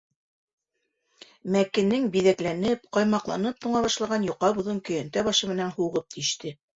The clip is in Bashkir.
Мәкенең биҙәкләнеп, ҡаймаҡланып туңа башлаған йоҡа боҙон көйәнтә башы менән һуғып тиште.